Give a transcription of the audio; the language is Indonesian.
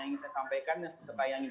yang ingin saya sampaikan sebayangnya juga